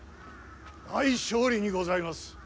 大勝利にございます。